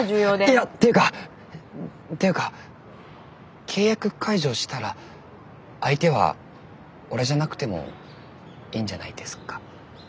いやっていうかっていうか契約解除したら相手は俺じゃなくてもいいんじゃないですか？